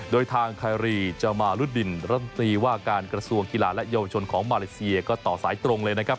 โดยทางคารีจามารุดดินรัฐมนตรีว่าการกระทรวงกีฬาและเยาวชนของมาเลเซียก็ต่อสายตรงเลยนะครับ